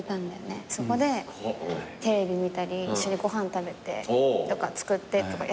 そこでテレビ見たり一緒にご飯食べてとか作ってとか。